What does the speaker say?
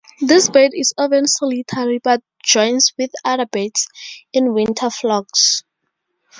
This bird is often solitary, but joins with other birds in winter flocks.